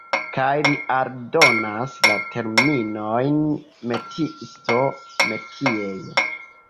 Kaj li aldonas la terminojn "metiisto", "metiejo".